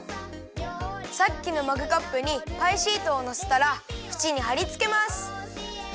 さっきのマグカップにパイシートをのせたらふちにはりつけます。